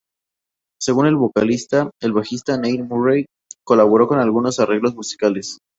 Según el vocalista, el bajista Neil Murray colaboró con algunos arreglos musicales.